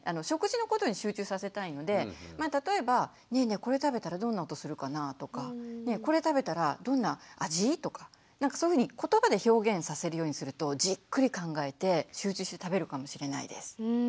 食事のことに集中させたいので例えば「ねえねえこれ食べたらどんな音するかな？」とか「これ食べたらどんな味？」とかそういうふうに言葉で表現させるようにするとじっくり考えて集中して食べるかもしれないです。